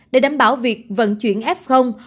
để đảm bảo việc vận chuyển f